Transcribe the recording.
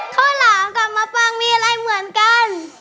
ข้าวหลามกับมะปังมีอะไรเหมือนกัน